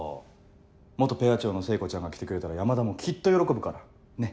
元ペア長の聖子ちゃんが来てくれたら山田もきっと喜ぶからねっ。